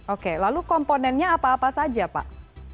oke lalu komponennya apa apa saja pak